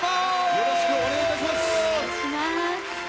よろしくお願いします。